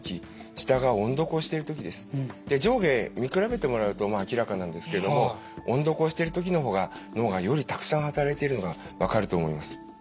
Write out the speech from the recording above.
上下見比べてもらうと明らかなんですけれども音読をしている時のほうが脳がよりたくさん働いているのが分かると思います。